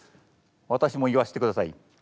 私も言わしてください。